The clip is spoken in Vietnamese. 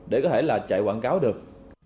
để có thể là chạy quảng cáo được